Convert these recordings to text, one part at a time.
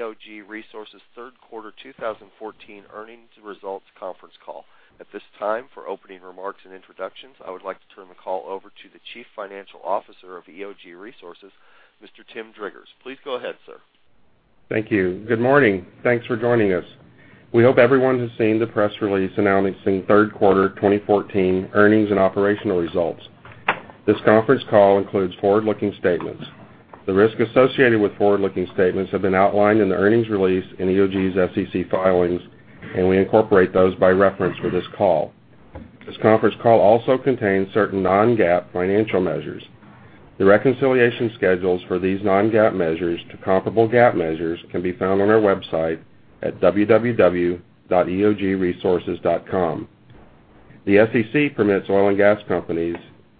Good day, everyone, and welcome to the EOG Resources third quarter 2014 earnings results conference call. At this time, for opening remarks and introductions, I would like to turn the call over to the Chief Financial Officer of EOG Resources, Mr. Tim Driggers. Please go ahead, sir. Thank you. Good morning. Thanks for joining us. We hope everyone has seen the press release announcing third quarter 2014 earnings and operational results. This conference call includes forward-looking statements. The risks associated with forward-looking statements have been outlined in the earnings release in EOG's SEC filings. We incorporate those by reference for this call. This conference call also contains certain non-GAAP financial measures. The reconciliation schedules for these non-GAAP measures to comparable GAAP measures can be found on our website at www.eogresources.com. The SEC permits oil and gas companies,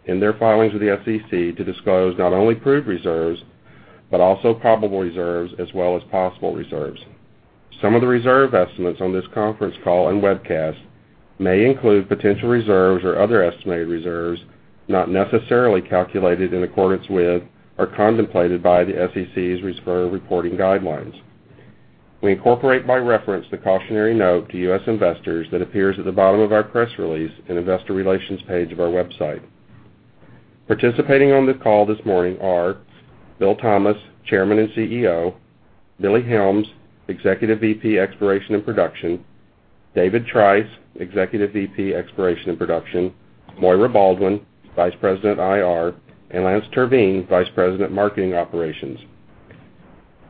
in their filings with the SEC, to disclose not only proved reserves. Also probable reserves, as well as possible reserves. Some of the reserve estimates on this conference call and webcast may include potential reserves or other estimated reserves not necessarily calculated in accordance with or contemplated by the SEC's reserve reporting guidelines. We incorporate by reference the cautionary note to U.S. investors that appears at the bottom of our press release in Investor Relations page of our website. Participating on the call this morning are Bill Thomas, Chairman and CEO; Billy Helms, Executive VP, Exploration and Production; David Trice, Executive VP, Exploration and Production; Moira Baldwin, Vice President, IR; and Lance Terveen, Vice President, Marketing Operations.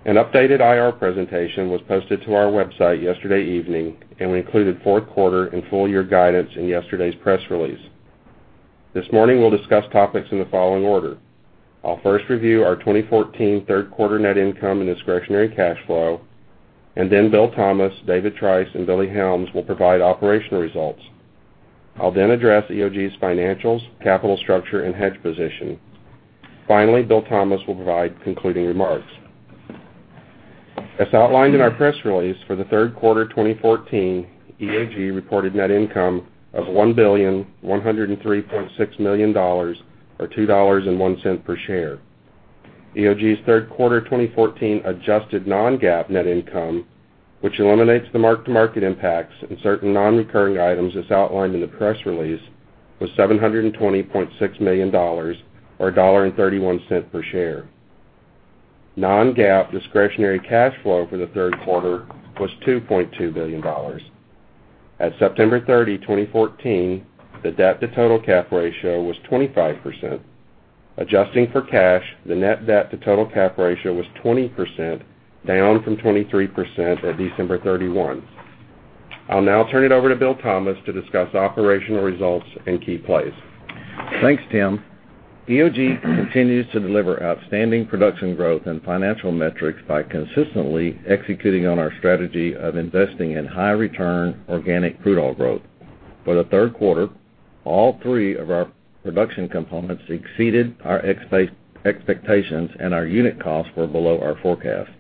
An updated IR presentation was posted to our website yesterday evening. We included fourth quarter and full year guidance in yesterday's press release. This morning, we'll discuss topics in the following order. I'll first review our 2014 third quarter net income and discretionary cash flow. Then Bill Thomas, David Trice, and Billy Helms will provide operational results. I'll then address EOG's financials, capital structure, and hedge position. Finally, Bill Thomas will provide concluding remarks. As outlined in our press release for the third quarter 2014, EOG reported net income of $1,103,600,000 or $2.01 per share. EOG's third quarter 2014 adjusted non-GAAP net income, which eliminates the mark-to-market impacts and certain non-recurring items as outlined in the press release, was $720.6 million or $1.31 per share. Non-GAAP discretionary cash flow for the third quarter was $2.2 billion. At September 30, 2014, the debt-to-total cap ratio was 25%. Adjusting for cash, the net debt to total cap ratio was 20%, down from 23% at December 31. I'll now turn it over to Bill Thomas to discuss operational results and key plays. Thanks, Tim. EOG continues to deliver outstanding production growth and financial metrics by consistently executing on our strategy of investing in high return organic crude oil growth. For the third quarter, all three of our production components exceeded our expectations and our unit costs were below our forecast.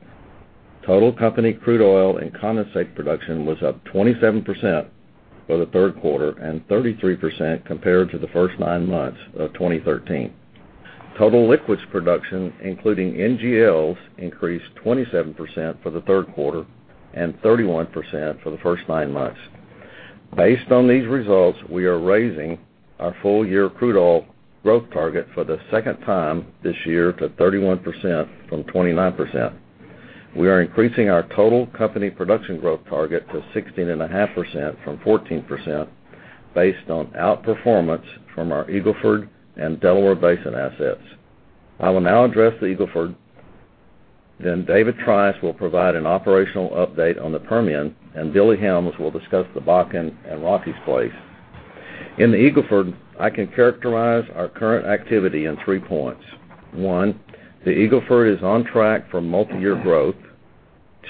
Total company crude oil and condensate production was up 27% for the third quarter and 33% compared to the first nine months of 2013. Total liquids production, including NGLs, increased 27% for the third quarter and 31% for the first nine months. Based on these results, we are raising our full-year crude oil growth target for the second time this year to 31% from 29%. We are increasing our total company production growth target to 16.5% from 14% based on outperformance from our Eagle Ford and Delaware Basin assets. I will now address the Eagle Ford. David Trice will provide an operational update on the Permian, and Billy Helms will discuss the Bakken and Rockies plays. In the Eagle Ford, I can characterize our current activity in three points. One, the Eagle Ford is on track for multi-year growth.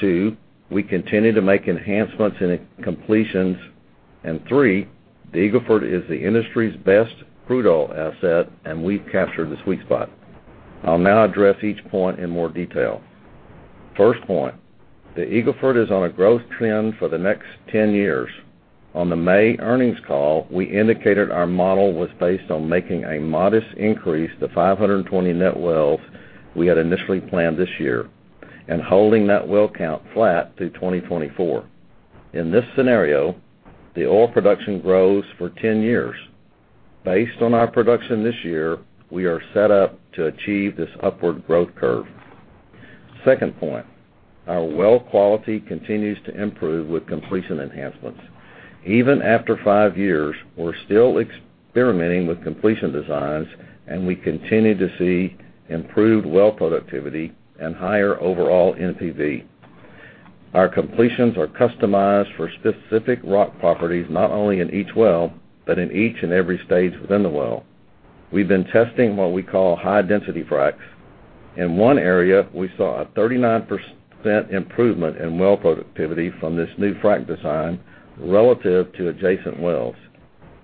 Two, we continue to make enhancements in completions. Three, the Eagle Ford is the industry's best crude oil asset and we've captured the sweet spot. I'll now address each point in more detail. First point, the Eagle Ford is on a growth trend for the next 10 years. On the May earnings call, we indicated our model was based on making a modest increase to 520 net wells we had initially planned this year and holding net well count flat through 2024. In this scenario, the oil production grows for 10 years. Based on our production this year, we are set up to achieve this upward growth curve. Second point, our well quality continues to improve with completion enhancements. Even after five years, we're still experimenting with completion designs, and we continue to see improved well productivity and higher overall NPV. Our completions are customized for specific rock properties, not only in each well, but in each and every stage within the well. We've been testing what we call high density fracs. In one area, we saw a 39% improvement in well productivity from this new frac design relative to adjacent wells.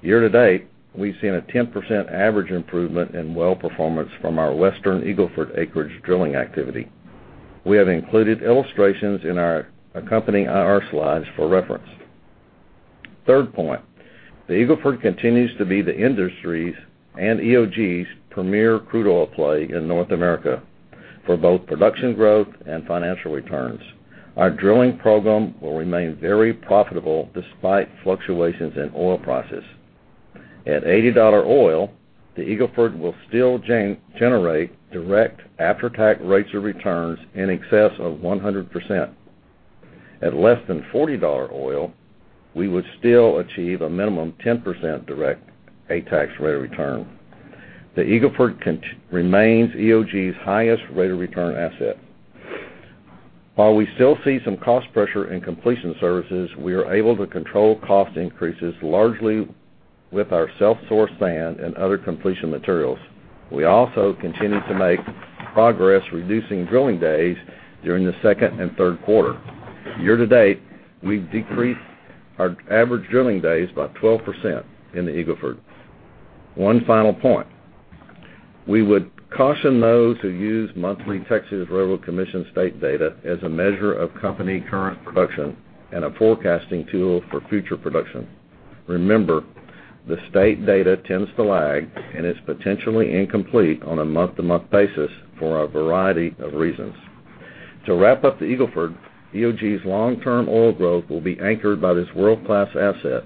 Year to date, we've seen a 10% average improvement in well performance from our Western Eagle Ford acreage drilling activity. We have included illustrations in our accompanying IR slides for reference. Third point, the Eagle Ford continues to be the industry's and EOG's premier crude oil play in North America for both production growth and financial returns. Our drilling program will remain very profitable despite fluctuations in oil prices. At $80 oil, the Eagle Ford will still generate direct after-tax rates of returns in excess of 100%. At less than $40 oil, we would still achieve a minimum 10% direct after-tax rate of return. The Eagle Ford remains EOG's highest rate of return asset. While we still see some cost pressure in completion services, we are able to control cost increases largely with our self-sourced sand and other completion materials. We also continue to make progress reducing drilling days during the second and third quarter. Year to date, we've decreased our average drilling days by 12% in the Eagle Ford. One final point, we would caution those who use monthly Railroad Commission of Texas state data as a measure of company current production and a forecasting tool for future production. Remember, the state data tends to lag and is potentially incomplete on a month-to-month basis for a variety of reasons. To wrap up the Eagle Ford, EOG's long-term oil growth will be anchored by this world-class asset,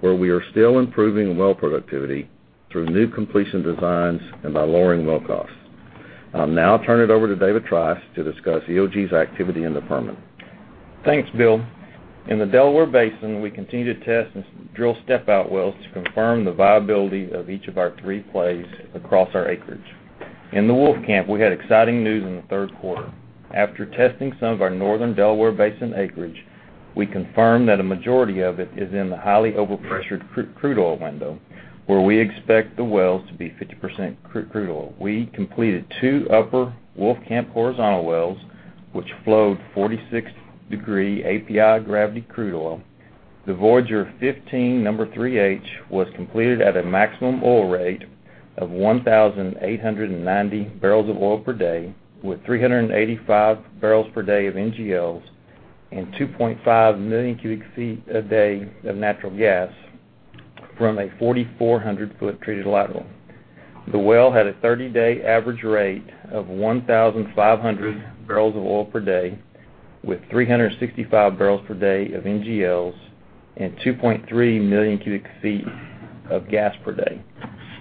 where we are still improving well productivity through new completion designs and by lowering well costs. I'll now turn it over to David Trice to discuss EOG's activity in the Permian. Thanks, Bill. In the Delaware Basin, we continue to test and drill step-out wells to confirm the viability of each of our three plays across our acreage. In the Wolfcamp, we had exciting news in the third quarter. After testing some of our northern Delaware Basin acreage, we confirmed that a majority of it is in the highly overpressured crude oil window, where we expect the wells to be 50% crude oil. We completed two Upper Wolfcamp horizontal wells, which flowed 46-degree API gravity crude oil. The Voyager 15 number 3H was completed at a maximum oil rate of 1,890 barrels of oil per day, with 385 barrels per day of NGLs and 2.5 million cubic feet a day of natural gas from a 4,400-foot treated lateral. The well had a 30-day average rate of 1,500 barrels of oil per day with 365 barrels per day of NGLs and 2.3 million cubic feet of gas per day.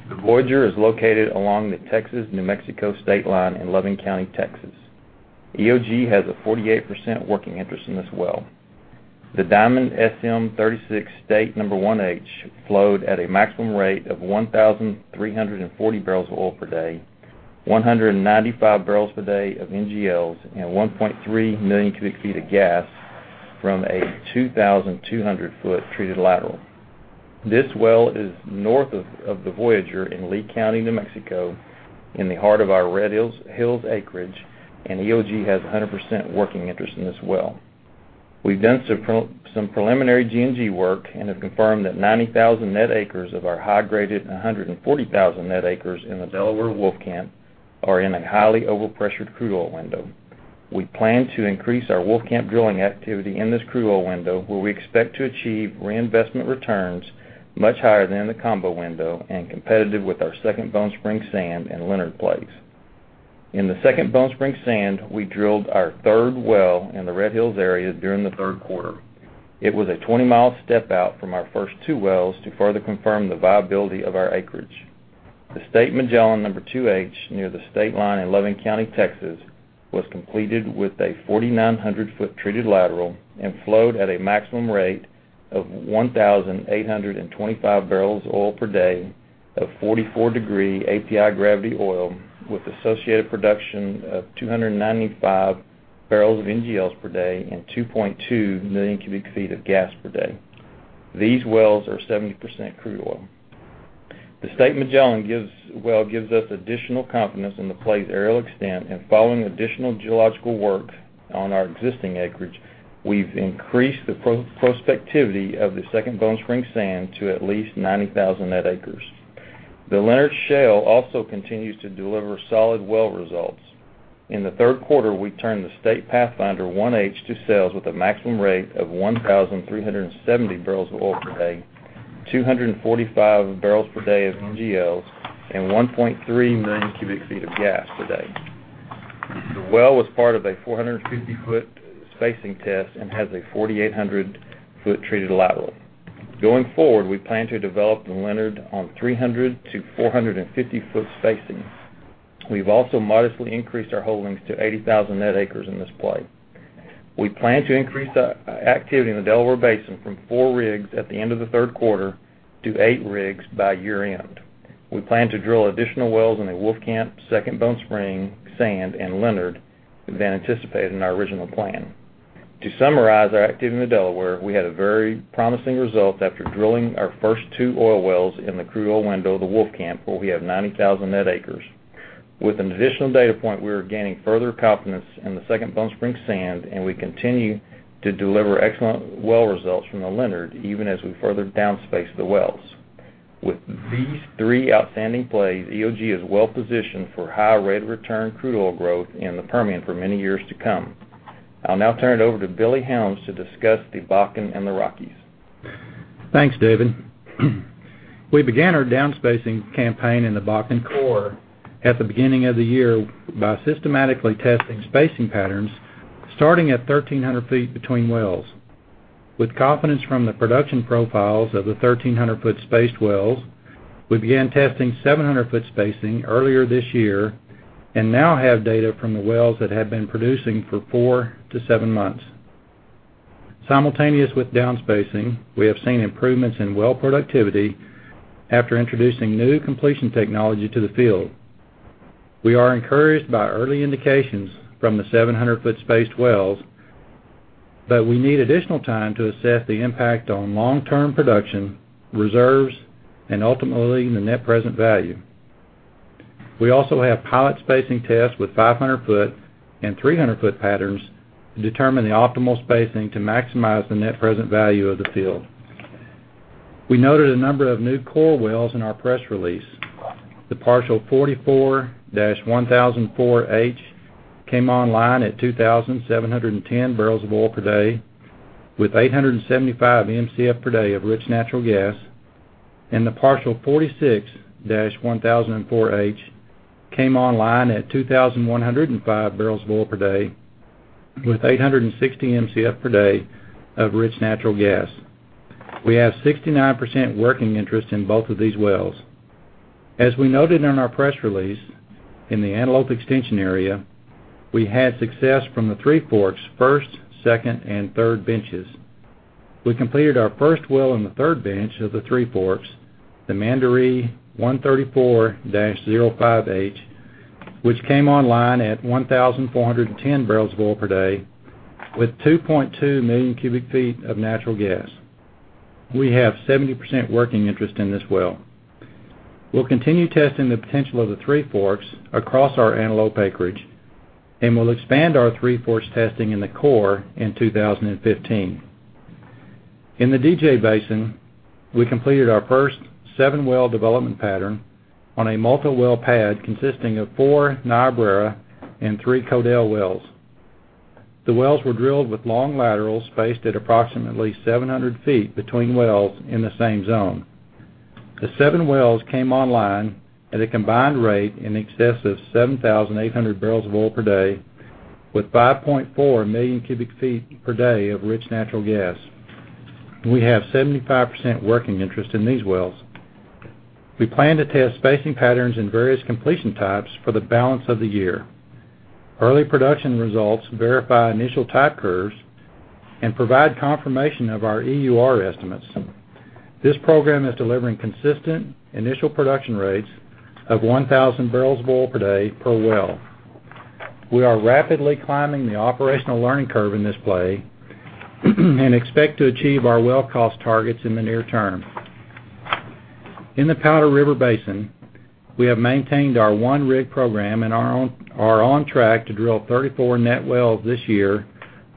The Voyager is located along the Texas-New Mexico state line in Loving County, Texas. EOG has a 48% working interest in this well. The Diamond SM-36 State number 1H flowed at a maximum rate of 1,340 barrels of oil per day, 195 barrels per day of NGLs, and 1.3 million cubic feet of gas from a 2,200-foot treated lateral. This well is north of Voyager in Lea County, New Mexico, in the heart of our Red Hills acreage, and EOG has 100% working interest in this well. We've done some preliminary G&G work and have confirmed that 90,000 net acres of our high-graded 140,000 net acres in the Delaware Wolfcamp are in a highly overpressured crude oil window. We plan to increase our Wolfcamp drilling activity in this crude oil window, where we expect to achieve reinvestment returns much higher than the combo window and competitive with our Second Bone Spring Sand and Leonard plays. In the Second Bone Spring Sand, we drilled our third well in the Red Hills area during the third quarter. It was a 20-mile step out from our first two wells to further confirm the viability of our acreage. The State Magellan number 2H, near the state line in Loving County, Texas, was completed with a 4,900-foot treated lateral and flowed at a maximum rate of 1,825 barrels of oil per day of 44-degree API gravity oil with associated production of 295 barrels of NGLs per day and 2.2 million cubic feet of gas per day. These wells are 70% crude oil. The State Magellan well gives us additional confidence in the play's aerial extent and following additional geological work on our existing acreage, we've increased the prospectivity of the Second Bone Spring Sand to at least 90,000 net acres. The Leonard Shale also continues to deliver solid well results. In the third quarter, we turned the State Pathfinder 1H to sales with a maximum rate of 1,370 barrels of oil per day, 245 barrels per day of NGLs, and 1.3 million cubic feet of gas per day. The well was part of a 450-foot spacing test and has a 4,800-foot treated lateral. Going forward, we plan to develop the Leonard on 300 to 450-foot spacings. We've also modestly increased our holdings to 80,000 net acres in this play. We plan to increase our activity in the Delaware Basin from four rigs at the end of the third quarter to eight rigs by year-end. We plan to drill additional wells in the Wolfcamp, Second Bone Spring Sand, and Leonard than anticipated in our original plan. To summarize our activity in the Delaware, we had a very promising result after drilling our first two oil wells in the crude oil window of the Wolfcamp, where we have 90,000 net acres. With an additional data point, we are gaining further confidence in the Second Bone Spring Sand, and we continue to deliver excellent well results from the Leonard, even as we further down space the wells. With these three outstanding plays, EOG is well-positioned for high rate of return crude oil growth in the Permian for many years to come. I'll now turn it over to Billy Helms to discuss the Bakken and the Rockies. Thanks, David. We began our downspacing campaign in the Bakken core at the beginning of the year by systematically testing spacing patterns, starting at 1,300 feet between wells. With confidence from the production profiles of the 1,300-foot spaced wells, we began testing 700-foot spacing earlier this year and now have data from the wells that have been producing for four to seven months. Simultaneous with downspacing, we have seen improvements in well productivity after introducing new completion technology to the field. We are encouraged by early indications from the 700-foot spaced wells, but we need additional time to assess the impact on long-term production, reserves, and ultimately, the net present value. We also have pilot spacing tests with 500 foot and 300 foot patterns to determine the optimal spacing to maximize the net present value of the field. We noted a number of new core wells in our press release. The Parshall 44-1004H came online at 2,710 barrels of oil per day with 875 Mcf per day of rich natural gas, and the Parshall 46-1004H came online at 2,105 barrels of oil per day with 860 Mcf per day of rich natural gas. We have 69% working interest in both of these wells. As we noted in our press release, in the Antelope Extension Area, we had success from the Three Forks first, second, and third benches. We completed our first well in the third bench of the Three Forks, the Mandaree 134-05H, which came online at 1,410 barrels of oil per day with 2.2 million cubic feet of natural gas. We have 70% working interest in this well. We'll continue testing the potential of the Three Forks across our Antelope acreage, and we'll expand our Three Forks testing in the core in 2015. In the DJ Basin, we completed our first seven-well development pattern on a multi-well pad consisting of four Niobrara and three Codell wells. The wells were drilled with long laterals spaced at approximately 700 feet between wells in the same zone. The seven wells came online at a combined rate in excess of 7,800 barrels of oil per day with 5.4 million cubic feet per day of rich natural gas. We have 75% working interest in these wells. We plan to test spacing patterns and various completion types for the balance of the year. Early production results verify initial type curves and provide confirmation of our EUR estimates. This program is delivering consistent initial production rates of 1,000 barrels of oil per day per well. We are rapidly climbing the operational learning curve in this play and expect to achieve our well cost targets in the near term. In the Powder River Basin, we have maintained our one-rig program and are on track to drill 34 net wells this year,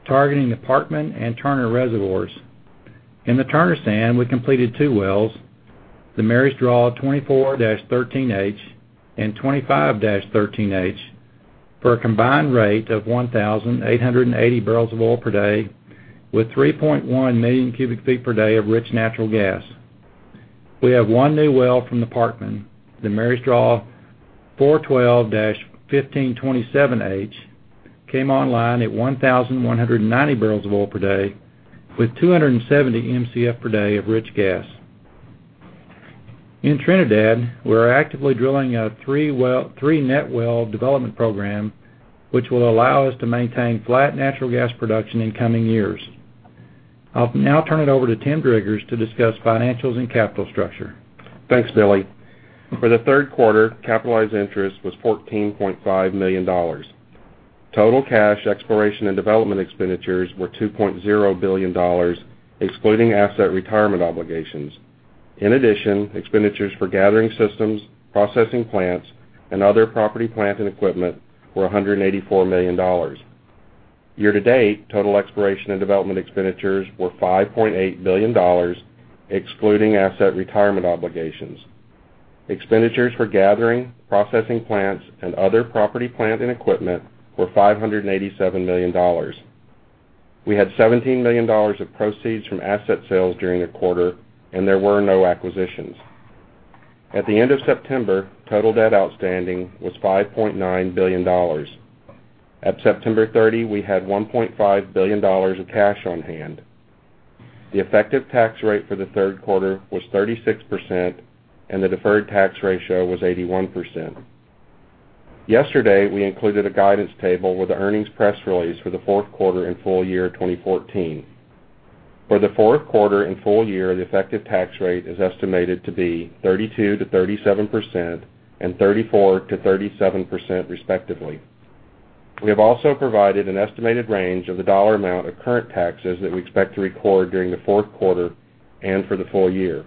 targeting the Parkman and Turner reservoirs. In the Turner Sand, we completed two wells, the Marys Draw 24-13H and 25-13H, for a combined rate of 1,880 barrels of oil per day with 3.1 million cubic feet per day of rich natural gas. We have one new well from the Parkman, the Marys Draw 412-1527H, came online at 1,190 barrels of oil per day with 270 Mcf per day of rich gas. In Trinidad, we're actively drilling a three net well development program, which will allow us to maintain flat natural gas production in coming years. I'll now turn it over to Tim Driggers to discuss financials and capital structure. Thanks, Billy. For the third quarter, capitalized interest was $14.5 million. Total cash exploration and development expenditures were $2.0 billion, excluding asset retirement obligations. In addition, expenditures for gathering systems, processing plants, and other property, plant, and equipment were $184 million. Year-to-date, total exploration and development expenditures were $5.8 billion, excluding asset retirement obligations. Expenditures for gathering, processing plants, and other property, plant, and equipment were $587 million. We had $17 million of proceeds from asset sales during the quarter, and there were no acquisitions. At the end of September, total debt outstanding was $5.9 billion. At September 30, we had $1.5 billion of cash on hand. The effective tax rate for the third quarter was 36%, and the deferred tax ratio was 81%. Yesterday, we included a guidance table with the earnings press release for the fourth quarter and full year 2014. For the fourth quarter and full year, the effective tax rate is estimated to be 32%-37% and 34%-37%, respectively. We have also provided an estimated range of the dollar amount of current taxes that we expect to record during the fourth quarter and for the full year.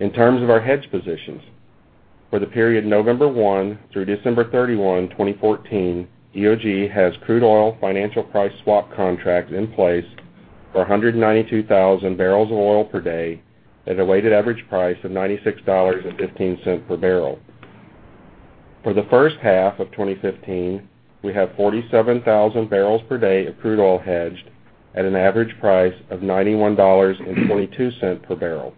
In terms of our hedge positions for the period November one through December 31, 2014, EOG has crude oil financial price swap contracts in place for 192,000 barrels of oil per day at a weighted average price of $96.15 per barrel. For the first half of 2015, we have 47,000 barrels per day of crude oil hedged at an average price of $91.22 per barrel.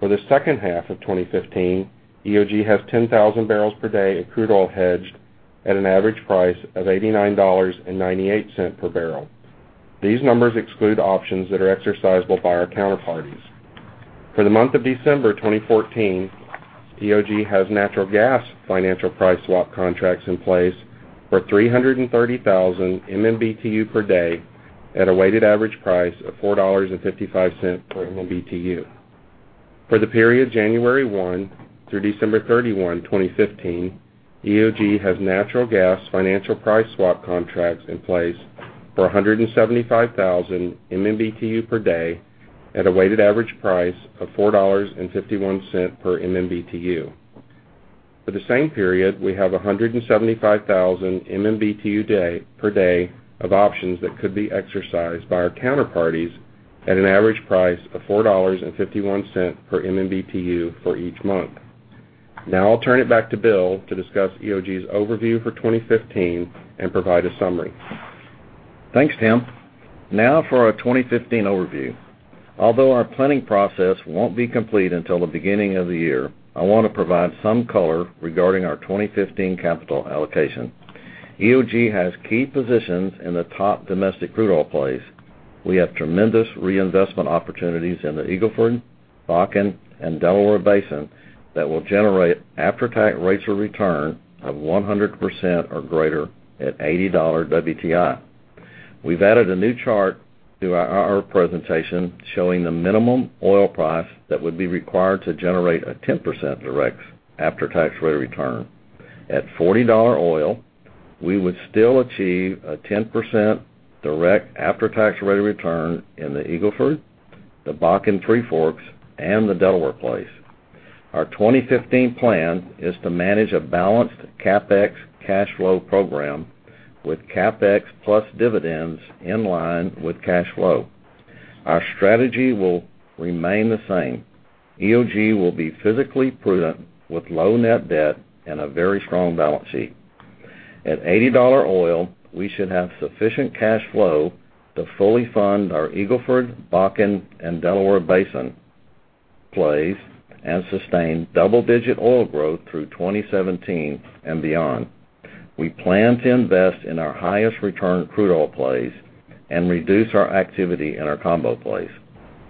For the second half of 2015, EOG has 10,000 barrels per day of crude oil hedged at an average price of $89.98 per barrel. These numbers exclude options that are exercisable by our counterparties. For the month of December 2014, EOG has natural gas financial price swap contracts in place for 330,000 MMBtu per day at a weighted average price of $4.55 per MMBtu. For the period January one through December 31, 2015, EOG has natural gas financial price swap contracts in place for 175,000 MMBtu per day at a weighted average price of $4.51 per MMBtu. For the same period, we have 175,000 MMBtu per day of options that could be exercised by our counterparties at an average price of $4.51 per MMBtu for each month. I'll turn it back to Bill to discuss EOG's overview for 2015 and provide a summary. Thanks, Tim. Now for our 2015 overview. Although our planning process won't be complete until the beginning of the year, I want to provide some color regarding our 2015 capital allocation. EOG has key positions in the top domestic crude oil plays. We have tremendous reinvestment opportunities in the Eagle Ford, Bakken, and Delaware Basin that will generate after-tax rates of return of 100% or greater at $80 WTI. We've added a new chart to our presentation showing the minimum oil price that would be required to generate a 10% direct after-tax rate of return. At $40 oil, we would still achieve a 10% direct after-tax rate of return in the Eagle Ford, the Bakken Three Forks, and the Delaware plays. Our 2015 plan is to manage a balanced CapEx cash flow program with CapEx plus dividends in line with cash flow. Our strategy will remain the same. EOG will be physically prudent with low net debt and a very strong balance sheet. At $80 oil, we should have sufficient cash flow to fully fund our Eagle Ford, Bakken, and Delaware Basin plays and sustain double-digit oil growth through 2017 and beyond. We plan to invest in our highest return crude oil plays and reduce our activity in our combo plays.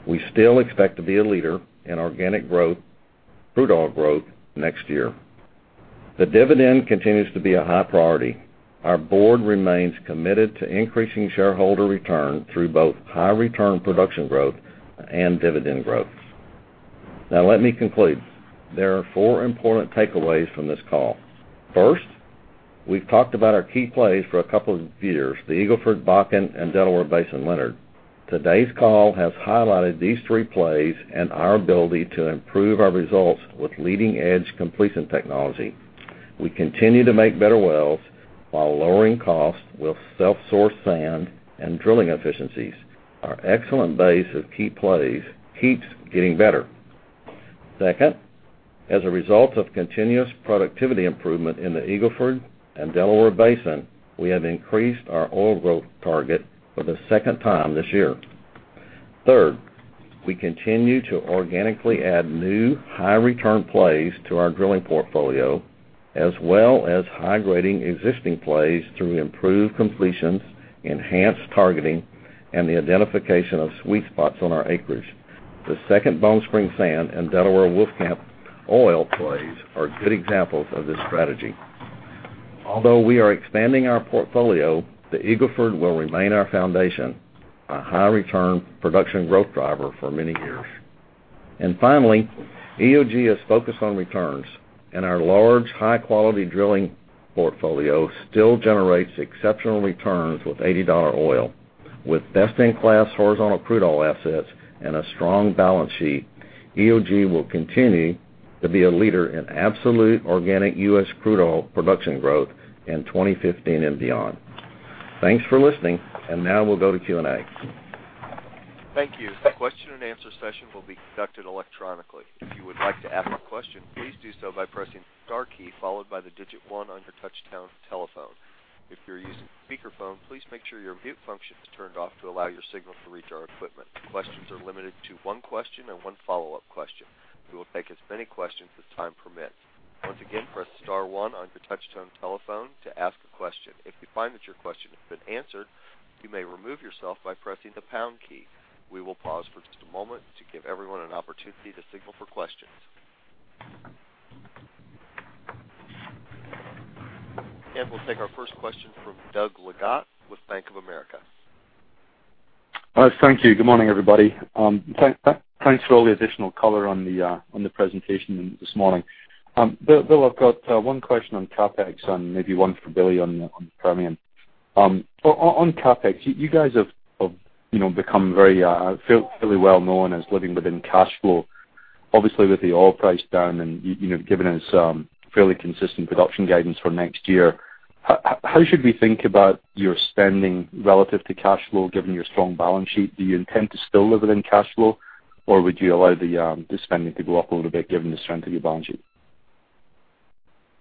We still expect to be a leader in organic growth, crude oil growth next year. The dividend continues to be a high priority. Our board remains committed to increasing shareholder return through both high return production growth and dividend growth. Now let me conclude. There are four important takeaways from this call. First, we've talked about our key plays for a couple of years, the Eagle Ford, Bakken, and Delaware Basin Leonard. Today's call has highlighted these three plays and our ability to improve our results with leading-edge completion technology. We continue to make better wells while lowering costs with self-source sand and drilling efficiencies. Our excellent base of key plays keeps getting better. Second, as a result of continuous productivity improvement in the Eagle Ford and Delaware Basin, we have increased our oil growth target for the second time this year. Third, we continue to organically add new high return plays to our drilling portfolio, as well as high-grading existing plays through improved completions, enhanced targeting, and the identification of sweet spots on our acreage. The second Bone Spring Sand and Delaware Wolfcamp oil plays are good examples of this strategy. Although we are expanding our portfolio, the Eagle Ford will remain our foundation, a high return production growth driver for many years. Finally, EOG is focused on returns, and our large, high-quality drilling portfolio still generates exceptional returns with $80 oil. With best-in-class horizontal crude oil assets and a strong balance sheet, EOG will continue to be a leader in absolute organic U.S. crude oil production growth in 2015 and beyond. Thanks for listening. Now we'll go to Q&A. Thank you. The question and answer session will be conducted electronically. If you would like to ask a question, please do so by pressing star key followed by the digit 1 on your touch tone telephone. If you're using speakerphone, please make sure your mute function is turned off to allow your signal to reach our equipment. Questions are limited to one question and one follow-up question. We will take as many questions as time permits. Once again, press star one on your touchtone telephone to ask a question. If you find that your question has been answered, you may remove yourself by pressing the pound key. We will pause for just a moment to give everyone an opportunity to signal for questions. We'll take our first question from Doug Leggate with Bank of America. Thank you. Good morning, everybody. Thanks for all the additional color on the presentation this morning. Bill, I've got one question on CapEx and maybe one for Billy on the Permian. On CapEx, you guys have become very fairly well known as living within cash flow. Obviously, with the oil price down and given us fairly consistent production guidance for next year, how should we think about your spending relative to cash flow, given your strong balance sheet? Do you intend to still live within cash flow, or would you allow the spending to go up a little bit given the strength of your balance sheet?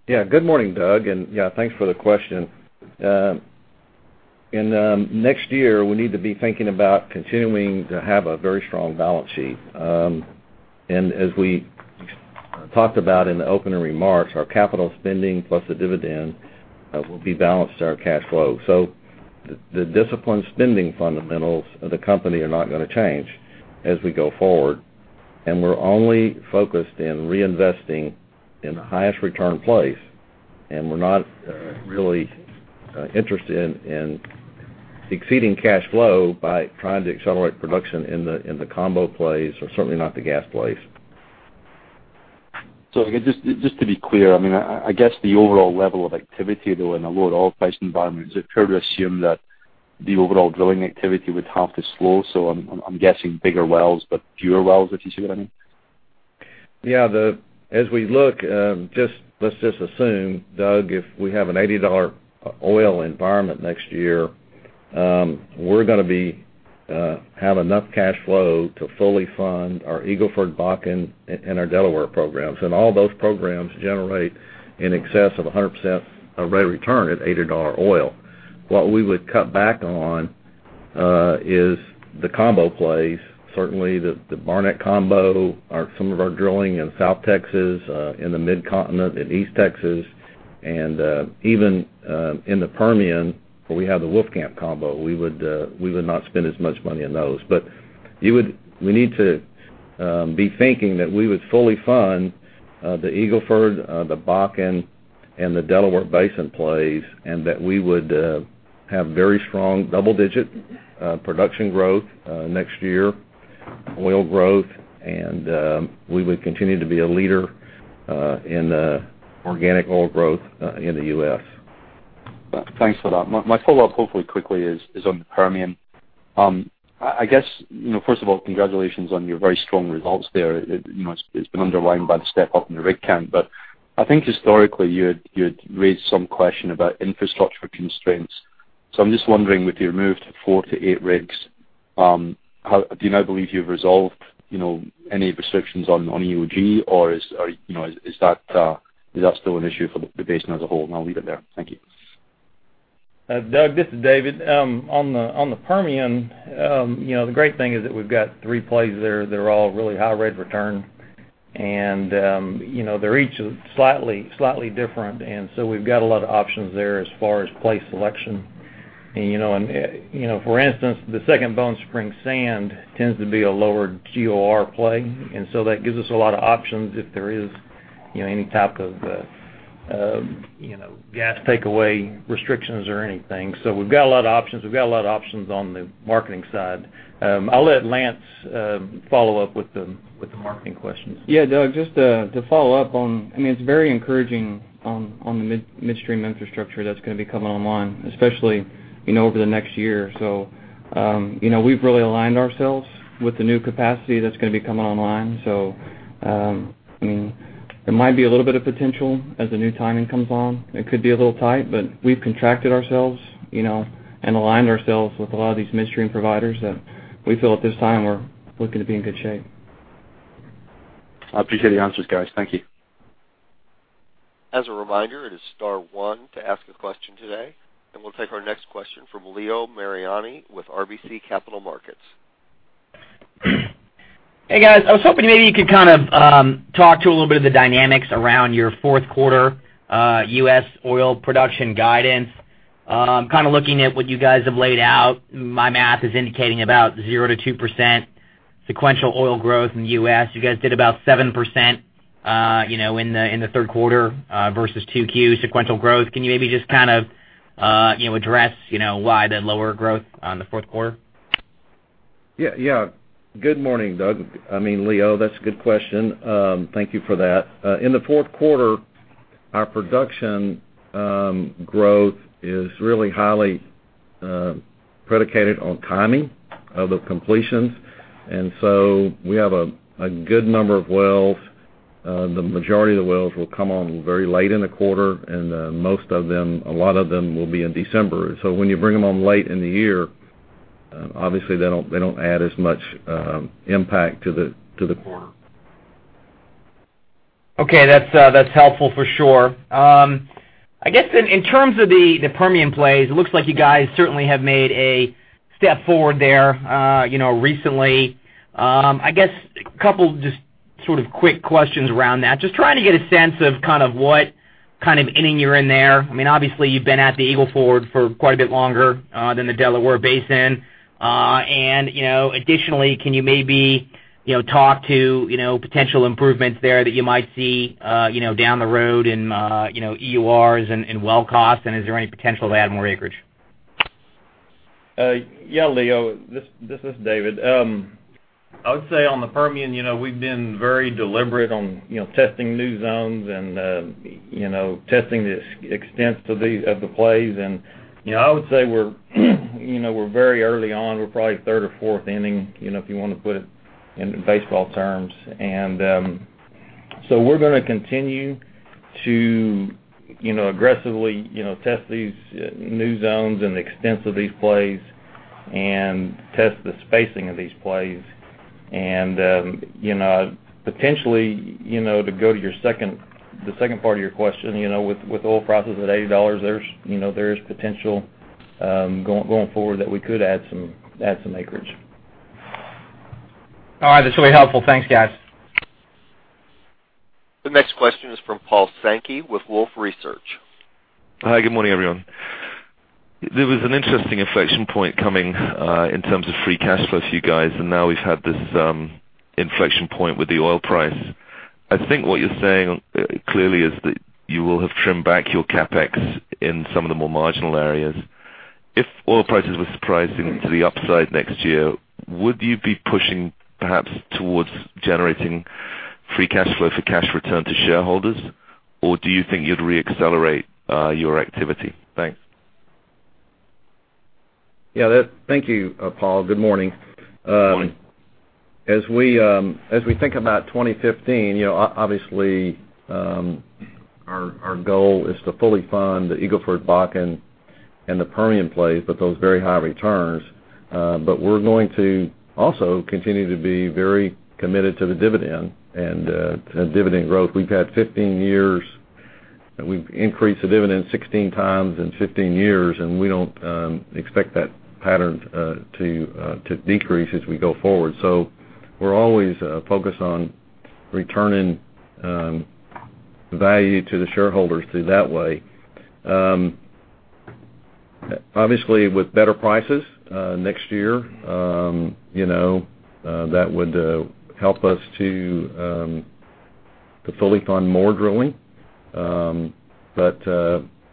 Yeah. Good morning, Doug, yeah, thanks for the question. In the next year, we need to be thinking about continuing to have a very strong balance sheet. As we talked about in the opening remarks, our capital spending plus the dividend will be balanced to our cash flow. The disciplined spending fundamentals of the company are not going to change as we go forward. We're only focused in reinvesting in the highest return place, and we're not really interested in exceeding cash flow by trying to accelerate production in the combo plays, or certainly not the gas plays. Just to be clear, I guess the overall level of activity, though, in a lower oil price environment, is it fair to assume that the overall drilling activity would have to slow? I'm guessing bigger wells but fewer wells, if you see what I mean. Yeah. As we look, let's just assume, Doug, if we have an $80 oil environment next year, we're going to have enough cash flow to fully fund our Eagle Ford, Bakken, and our Delaware programs. All those programs generate in excess of 100% rate of return at $80 oil. What we would cut back on is the combo plays, certainly the Barnett Combo or some of our drilling in South Texas, in the Mid-Continent, in East Texas, and even in the Permian, where we have the Wolfcamp Combo. We would not spend as much money on those. We need to be thinking that we would fully fund the Eagle Ford, the Bakken, and the Delaware Basin plays, and that we would have very strong double-digit production growth next year, oil growth, and we would continue to be a leader in organic oil growth in the U.S. Thanks for that. My follow-up, hopefully quickly, is on the Permian. First of all, congratulations on your very strong results there. It's been underlined by the step-up in the rig count. I think historically you had raised some question about infrastructure constraints. I'm just wondering, with your move to four to eight rigs, do you now believe you've resolved any restrictions on EOG, or is that still an issue for the basin as a whole? I'll leave it there. Thank you. Doug, this is David. On the Permian, the great thing is that we've got three plays there that are all really high rate of return, and they're each slightly different. We've got a lot of options there as far as play selection. For instance, the Second Bone Spring Sand tends to be a lower GOR play, that gives us a lot of options if there is any type of gas takeaway restrictions or anything. We've got a lot of options. We've got a lot of options on the marketing side. I'll let Lance follow up with the marketing questions. Yeah, Doug, just to follow up, it's very encouraging on the midstream infrastructure that's going to be coming online, especially over the next year. We've really aligned ourselves with the new capacity that's going to be coming online. There might be a little bit of potential as the new timing comes on. It could be a little tight, we've contracted ourselves and aligned ourselves with a lot of these midstream providers that we feel at this time are looking to be in good shape. I appreciate the answers, guys. Thank you. As a reminder, it is star one to ask a question today, and we'll take our next question from Leo Mariani with RBC Capital Markets. Hey, guys. I was hoping maybe you could talk to a little bit of the dynamics around your fourth quarter U.S. oil production guidance. Looking at what you guys have laid out, my math is indicating about 0%-2% sequential oil growth in the U.S. You guys did about 7% in the third quarter versus 2Q sequential growth. Can you maybe just address why the lower growth on the fourth quarter? Yeah. Good morning, Doug. I mean, Leo. That's a good question. Thank you for that. In the fourth quarter, our production growth is really highly predicated on timing of the completions. We have a good number of wells. The majority of the wells will come on very late in the quarter, and most of them, a lot of them will be in December. When you bring them on late in the year, obviously they don't add as much impact to the quarter. Okay. That's helpful for sure. I guess in terms of the Permian plays, it looks like you guys certainly have made a step forward there recently. I guess a couple just sort of quick questions around that. Just trying to get a sense of what kind of inning you're in there. Obviously, you've been at the Eagle Ford for quite a bit longer than the Delaware Basin. Additionally, can you maybe talk to potential improvements there that you might see down the road in EURs and well cost, and is there any potential to add more acreage? Yeah, Leo, this is David. I would say on the Permian, we've been very deliberate on testing new zones and testing the extents of the plays. I would say we're very early on. We're probably third or fourth inning, if you want to put it into baseball terms. We're going to continue to aggressively test these new zones and the extents of these plays and test the spacing of these plays. Potentially, to go to the second part of your question, with oil prices at $80, there is potential going forward that we could add some acreage. All right. That's really helpful. Thanks, guys. The next question is from Paul Sankey with Wolfe Research. Hi, good morning, everyone. There was an interesting inflection point coming in terms of free cash flow for you guys. Now we've had this inflection point with the oil price. I think what you're saying clearly is that you will have trimmed back your CapEx in some of the more marginal areas. If oil prices were surprising to the upside next year, would you be pushing perhaps towards generating free cash flow for cash return to shareholders? Do you think you'd re-accelerate your activity? Thanks. Yeah. Thank you, Paul. Good morning. Good morning. As we think about 2015, obviously, our goal is to fully fund the Eagle Ford Bakken and the Permian plays with those very high returns. We're going to also continue to be very committed to the dividend and dividend growth. We've increased the dividend 16 times in 15 years, we don't expect that pattern to decrease as we go forward. We're always focused on returning value to the shareholders through that way. Obviously, with better prices next year, that would help us to fully fund more drilling.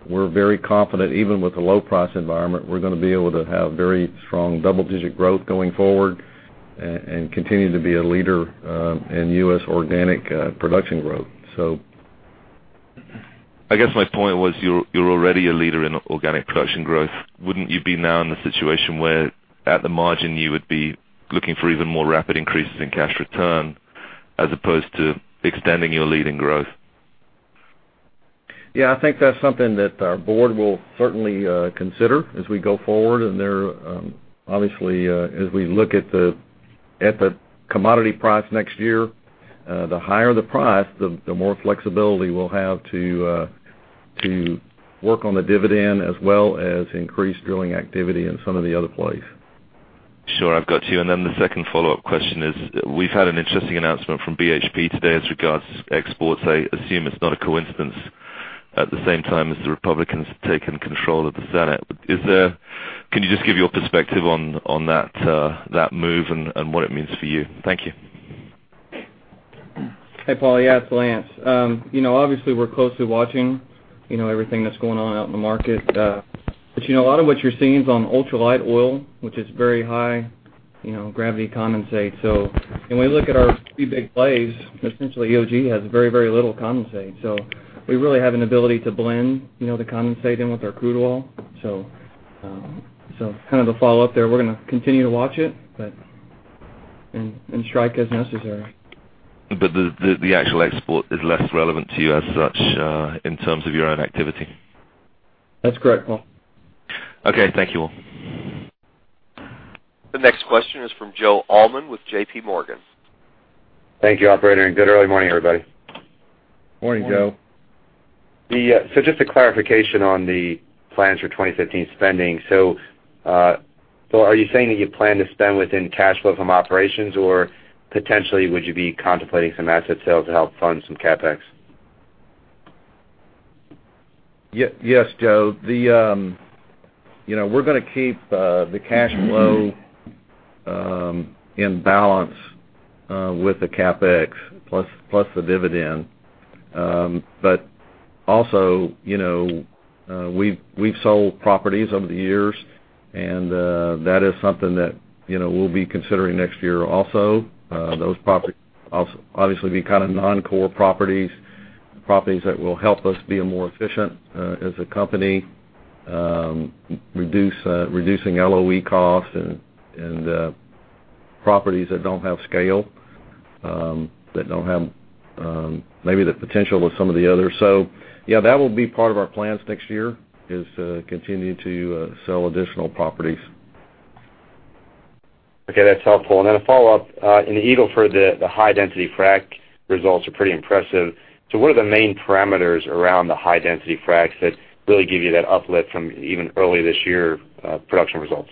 We're very confident, even with the low price environment, we're going to be able to have very strong double-digit growth going forward and continue to be a leader in U.S. organic production growth. I guess my point was you're already a leader in organic production growth. Wouldn't you be now in the situation where at the margin you would be looking for even more rapid increases in cash return as opposed to extending your lead in growth? Yeah, I think that's something that our board will certainly consider as we go forward, and obviously, as we look at the commodity price next year, the higher the price, the more flexibility we'll have to work on the dividend, as well as increase drilling activity in some of the other plays. Sure. I've got you. The second follow-up question is, we've had an interesting announcement from BHP today as regards exports. I assume it's not a coincidence at the same time as the Republicans have taken control of the Senate. Can you just give your perspective on that move and what it means for you? Thank you. Hey, Paul. Yeah, it's Lance. Obviously, we're closely watching everything that's going on out in the market. A lot of what you're seeing is on ultra light oil, which is very high gravity condensate. When we look at our three big plays, essentially EOG has very little condensate. We really have an ability to blend the condensate in with our crude oil. The follow-up there, we're going to continue to watch it and strike as necessary. The actual export is less relevant to you as such in terms of your own activity? That's correct, Paul. Okay. Thank you all. The next question is from Joe Allman with JPMorgan. Thank you, operator. Good early morning, everybody. Morning, Joe. Just a clarification on the plans for 2015 spending. Are you saying that you plan to spend within cash flow from operations, or potentially would you be contemplating some asset sales to help fund some CapEx? Yes, Joe. We're going to keep the cash flow in balance with the CapEx plus the dividend. Also, we've sold properties over the years, and that is something that we'll be considering next year also. Those properties obviously will be non-core properties that will help us be more efficient as a company, reducing LOE costs and properties that don't have scale, that don't have maybe the potential of some of the others. That will be part of our plans next year, is continuing to sell additional properties. Okay, that's helpful. Then a follow-up. In the Eagle Ford, the high density frac results are pretty impressive. What are the main parameters around the high density fracs that really give you that uplift from even early this year production results?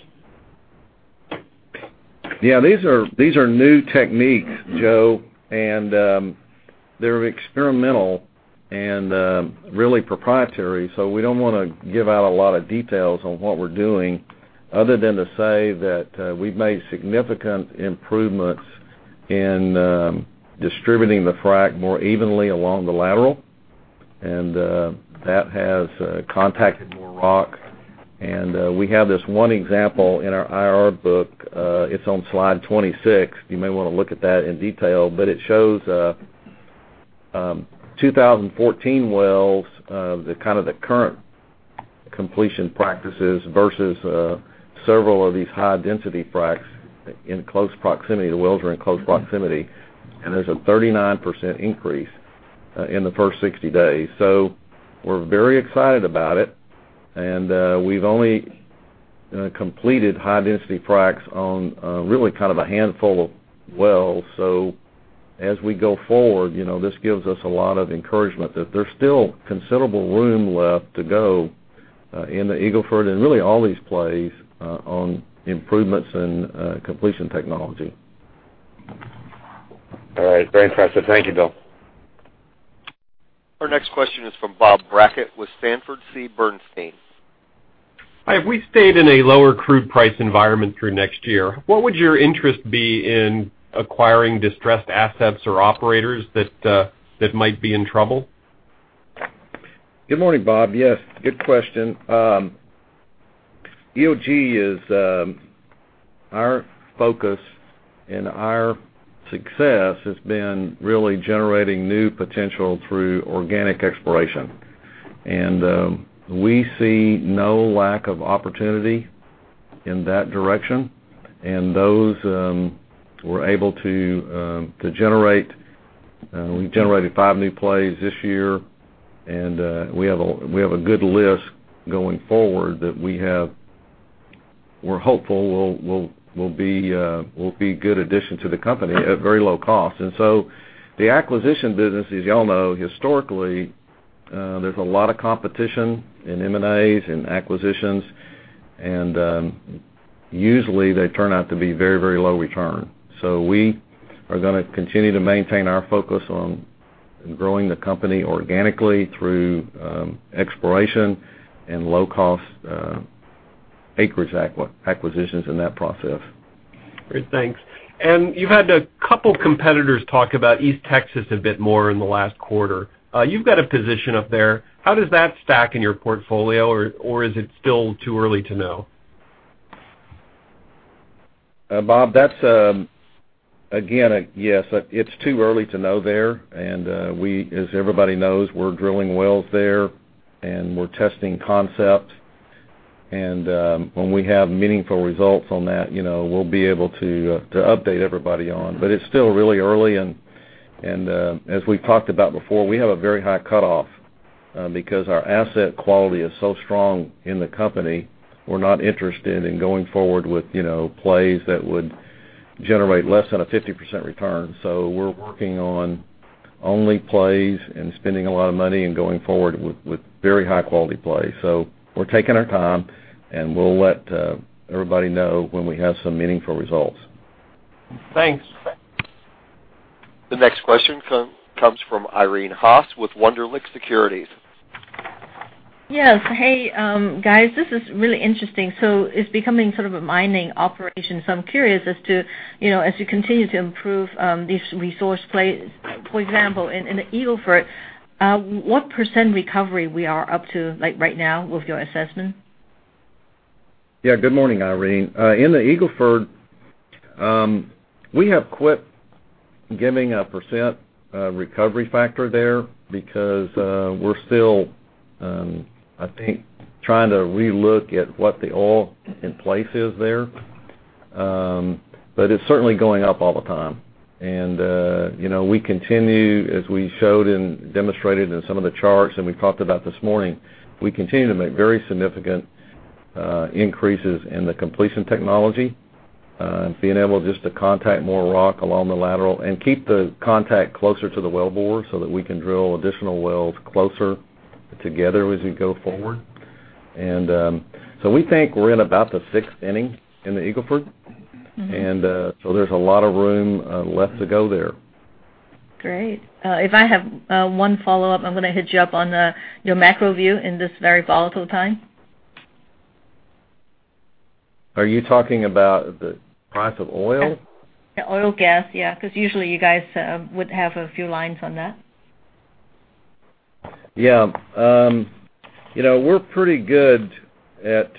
Yeah, these are new techniques, Joe, they're experimental and really proprietary. We don't want to give out a lot of details on what we're doing other than to say that we've made significant improvements in distributing the frac more evenly along the lateral. That has contacted more rock. We have this one example in our IR book, it's on slide 26, you may want to look at that in detail, it shows 2014 wells, the current completion practices versus several of these high-density fracs in close proximity. The wells are in close proximity, there's a 39% increase in the first 60 days. We're very excited about it, we've only completed high-density fracs on really a handful of wells. As we go forward, this gives us a lot of encouragement that there's still considerable room left to go in the Eagle Ford and really all these plays on improvements in completion technology. All right. Very impressive. Thank you, Bill. Our next question is from Bob Brackett with Sanford C. Bernstein. Hi. If we stayed in a lower crude price environment through next year, what would your interest be in acquiring distressed assets or operators that might be in trouble? Good morning, Bob. Yes, good question. EOG, our focus and our success has been really generating new potential through organic exploration. We see no lack of opportunity in that direction and those we're able to generate. We generated five new plays this year, and we have a good list going forward that we're hopeful will be a good addition to the company at very low cost. The acquisition business, as you all know, historically, there's a lot of competition in M&As, in acquisitions, and usually they turn out to be very low return. We are going to continue to maintain our focus on growing the company organically through exploration and low-cost acreage acquisitions in that process. Great. Thanks. You've had a couple competitors talk about East Texas a bit more in the last quarter. You've got a position up there. How does that stack in your portfolio? Is it still too early to know? Bob, again, yes, it's too early to know there. As everybody knows, we're drilling wells there, and we're testing concepts. When we have meaningful results on that, we'll be able to update everybody on, but it's still really early, and as we've talked about before, we have a very high cutoff. Because our asset quality is so strong in the company, we're not interested in going forward with plays that would generate less than a 50% return. We're working on only plays and spending a lot of money and going forward with very high-quality plays. We're taking our time, and we'll let everybody know when we have some meaningful results. Thanks. The next question comes from Irene Haas with Wunderlich Securities. Yes. Hey, guys. This is really interesting. It's becoming sort of a mining operation. I'm curious as to, as you continue to improve these resource plays, for example, in the Eagle Ford, what % recovery we are up to right now with your assessment? Yeah. Good morning, Irene. In the Eagle Ford, we have quit giving a % recovery factor there because we're still, I think, trying to re-look at what the oil in place is there. It's certainly going up all the time. We continue, as we showed and demonstrated in some of the charts, and we talked about this morning, we continue to make very significant increases in the completion technology, being able just to contact more rock along the lateral and keep the contact closer to the well bore so that we can drill additional wells closer together as we go forward. We think we're in about the sixth inning in the Eagle Ford. There's a lot of room left to go there. Great. If I have one follow-up, I'm going to hit you up on your macro view in this very volatile time. Are you talking about the price of oil? Yes. Oil, gas, yeah, because usually you guys would have a few lines on that. Yeah. We're pretty good at